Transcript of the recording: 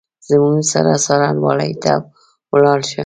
زموږ سره څارنوالۍ ته ولاړ شه !